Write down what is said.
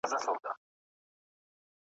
بیا به موسم سي د سروغوټیو `